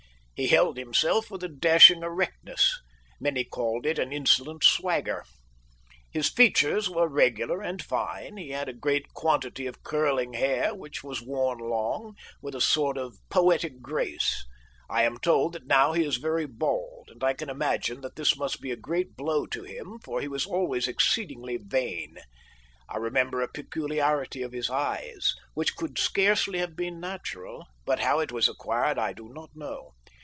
He held himself with a dashing erectness. Many called it an insolent swagger. His features were regular and fine. He had a great quantity of curling hair, which was worn long, with a sort of poetic grace: I am told that now he is very bald; and I can imagine that this must be a great blow to him, for he was always exceedingly vain. I remember a peculiarity of his eyes, which could scarcely have been natural, but how it was acquired I do not know.